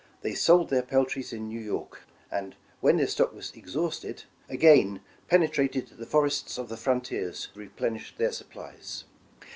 They sold their peltries in New York, and when their stock was exhausted, again penetrated the forests of the frontiers to replenish their supplies.